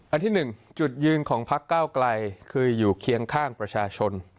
อันที่๑จุดยืนของพักเก้าไกลคืออยู่เคียงข้างประชาชน